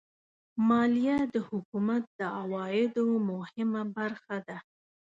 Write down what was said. مالیه د حکومت د عوایدو مهمه برخه ده.